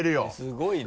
すごいね。